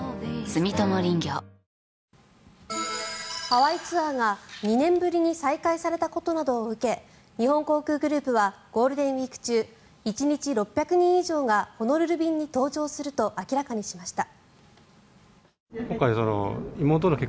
ハワイツアーが２年ぶりに再開されたことなどを受け日本航空グループはゴールデンウィーク中１日６００人以上がホノルル便に搭乗すると明らかにしました。